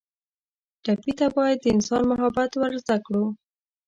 ټپي ته باید د انسان محبت ور زده کړو.